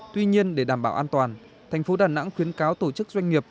tuy nhiên để đảm bảo an toàn thành phố đà nẵng khuyến cáo tổ chức doanh nghiệp